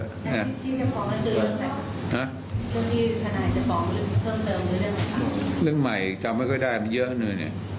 คุณพี่ธนายจะบอกเรื่องเพิ่มหรือเรื่องภาคเรื่องใหม่จำไม่ค่อยได้มันเยอะหนึ่งเนี้ย